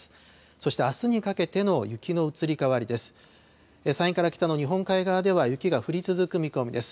そしてあすにかけての雪の移り変わりです。